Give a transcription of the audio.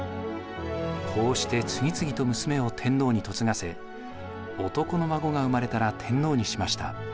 こうして次々と娘を天皇に嫁がせ男の孫が生まれたら天皇にしました。